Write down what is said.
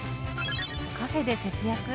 カフェで節約？